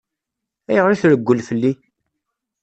Ayɣer i treggel fell-i?